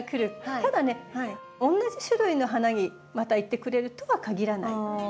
ただねおんなじ種類の花にまた行ってくれるとは限らない。